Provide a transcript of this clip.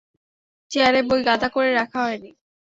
চেয়ারে বই গাদা করে রাখা হয় নি।